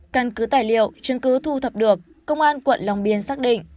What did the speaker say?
căn cứ tài liệu chứng cứ thu thập được công an quận long biên xác định